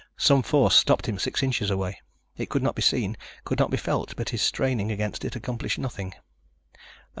Some force stopped him six inches away. It could not be seen, could not be felt, but his straining against it accomplished nothing.